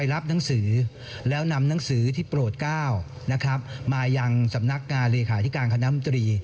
และนังสือที่โปรดก้าวมาอย่างสำนักงานเลขาธิการคณะมตรี